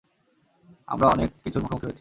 আমরা অনেক কিছুর মুখোমুখি হয়েছি।